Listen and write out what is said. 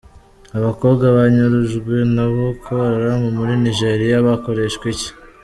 Abakobwa banyurujwe na Boko Haram muri Nigeriya, bakoreshwa iki?.